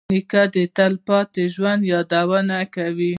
نیکه د تلپاتې ژوند یادونه کوي.